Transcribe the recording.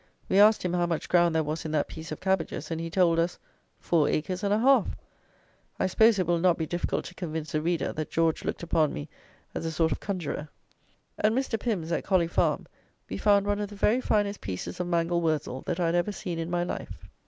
We asked him how much ground there was in that piece of cabbages, and he told us, four acres and a half! I suppose it will not be difficult to convince the reader that George looked upon me as a sort of conjuror. At Mr. Pym's, at Colley farm, we found one of the very finest pieces of mangel wurzel that I had ever seen in my life.